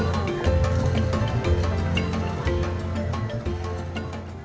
terima kasih saya alaminya seperti ini